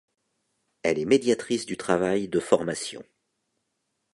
Elle est médiatrice du travail de formation.